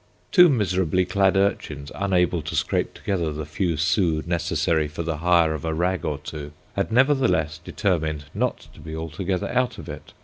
Two miserably clad urchins, unable to scrape together the few sous necessary for the hire of a rag or two, had nevertheless determined not to be altogether out of it.